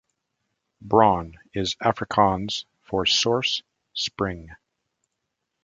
Bron is Afrikaans for 'source', 'spring'.